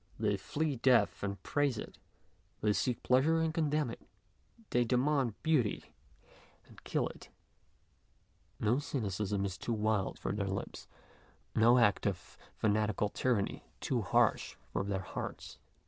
They flee death and praise it, they seek pleasure and condemn it, they demand beauty and kill it. No cynicism is too wild for their lips, no act of fanatical tyranny too harsh for their hearts.